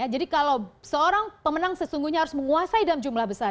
jadi kalau seorang pemenang sesungguhnya harus menguasai dalam jumlah besar